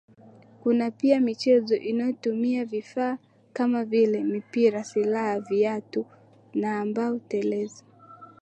Kuna pia michezo inayotumia vifaa kama vile mipira silaha viatu na mbao telezi